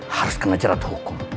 harus kena cerat hukum